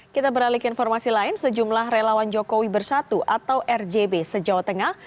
kita beralih ke informasi lain sejumlah relawan jokowi bersatu atau rjb se jawa tengah